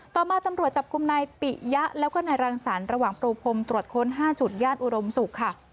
ต่อมาตำรวจจับกลุ่มนายปิยะแล้วก็นายรังสรรค์ระหว่างปูพรมตรวจค้น๕จุดย่านอุดมศุกร์ค่ะ